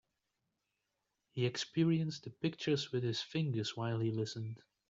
He experienced the pictures with his fingers while he listened.